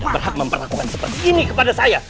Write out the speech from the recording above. kalian semua tidak memperlakukan seperti ini kepada saya